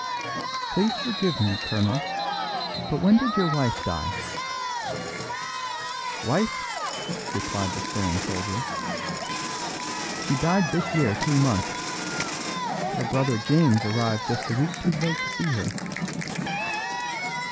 "Please forgive me, colonel, but when did your wife die?" "Wife!" replied the staring soldier, "she died this year two months. Her brother James arrived just a week too late to see her."